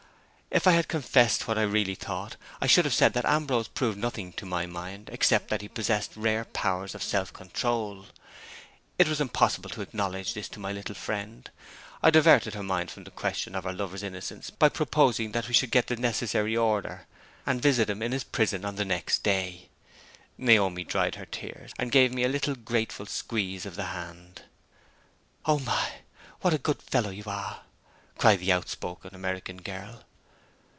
If I had confessed what I really thought, I should have said that Ambrose had proved nothing to my mind, except that he possessed rare powers of self control. It was impossible to acknowledge this to my little friend. I diverted her mind from the question of her lover's innocence by proposing that we should get the necessary order, and visit him in his prison on the next day. Naomi dried her tears, and gave me a little grateful squeeze of the hand. "Oh my! what a good fellow you are!" cried the outspoken American girl.